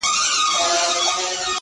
خو بلوړ که مات سي ډیري یې ټوټې وي -